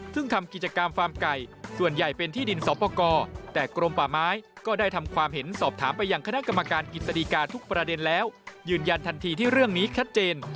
ทุกประเด็นแล้วยืนยันทันทีที่เรื่องนี้คัดเจน